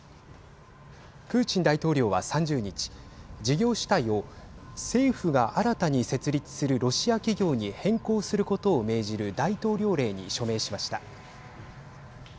プーチン大統領は３０日事業主体を政府が新たに設立するロシア企業に変更することを命じる大統領令に署名しました。